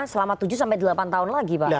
selama tujuh sampai delapan tahun lagi pak